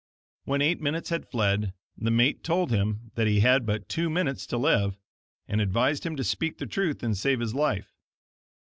When eight minutes had fled the mate told him that he had but two minutes to live, and advised him to speak the truth and save his life.